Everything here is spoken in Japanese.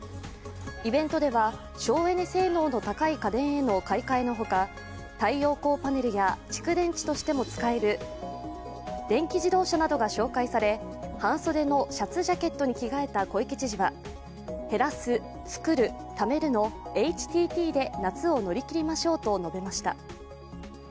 イベントでは省エネ性能の高い家電への買い替えのほか太陽光パネルや蓄電池としても使える電気自動車などが紹介され半袖のシャツジャケットに着替えた小池知事は、減らす、創る、蓄めるのＨＴＴで夏を乗り切りましょうと述べました。